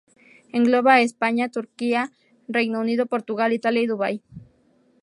Engloba a España, Turquía, Reino Unido, Portugal, Italia y Dubái.